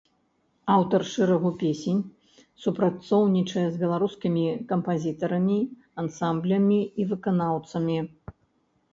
Аўтар шэрагу песень, супрацоўнічае з беларускімі кампазітарамі, ансамблямі і выканаўцамі.